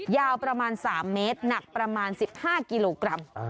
ยาวประมาณสามเมตรหนักประมาณสิบห้ากิโลกรัมอ่า